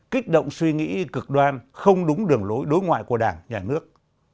kích động suy nghĩ cực đoan không đúng đường lối đối ngoại của đảng nhà nước